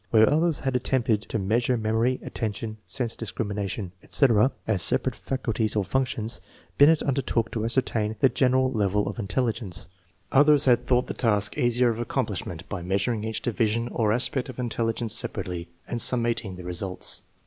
Where others had attempted to measure mem ory, attention, sense discrimination, etc*, its separate fucul THE BINET SIMON METHOD 43 ties or functions, Binet undertook to ascertain the general level of intelligence. Others had thought the task easier of accomplishment by measuring each division or aspect of intelligence separately, and summating the results.